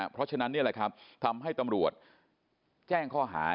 เพราะฉะนั้นทำให้ตำรวจแจ้งข้อหา